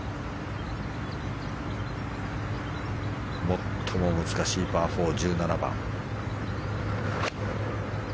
最も難しいパー４、１７番。